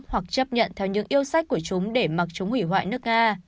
hoặc chấp nhận theo những yêu sách của chúng để mặc chúng hủy hoại nước nga